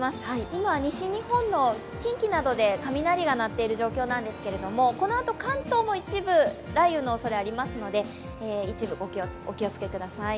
今、西日本の近畿などで雷が鳴っている状況なんですけれども、このあと関東も一部、雷雨のおそれがありますのでお気をつけください。